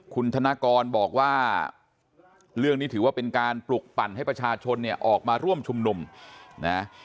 คุณธนกรบอกว่าเรื่องนี้ถือว่าเป็นการปลุกปั่นให้ประชาชนเนี่ยออกมาร่วมชุมนุมนะ